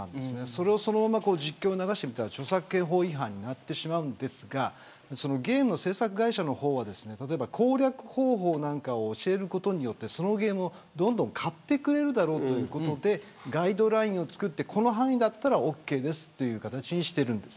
それをそのまま実況で流したら著作権法違反になるんですがゲームの制作会社の方は攻略方法なんかを教えることでそのゲームを買ってくれるだろうということでガイドラインを作ってこの範囲ならオーケーですという形にしているんです。